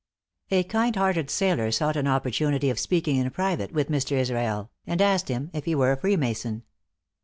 A kind hearted sailor sought an opportunity of speaking in private with Mr. Israel, and asked him if he were a freemason.